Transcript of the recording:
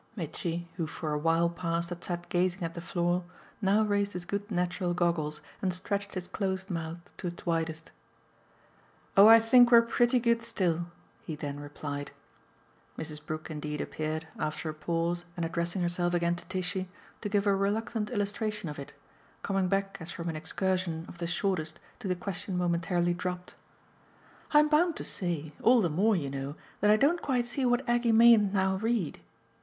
Mitchy, who for a while past had sat gazing at the floor, now raised his good natural goggles and stretched his closed mouth to its widest. "Oh I think we're pretty good still!" he then replied. Mrs. Brook indeed appeared, after a pause and addressing herself again to Tishy, to give a reluctant illustration of it, coming back as from an excursion of the shortest to the question momentarily dropped. "I'm bound to say all the more you know that I don't quite see what Aggie mayn't now read."